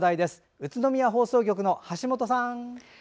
宇都宮放送局の橋本さん。